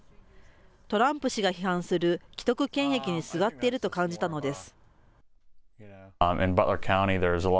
トランプ氏が批判する既得権益にすがっていると感じたのです。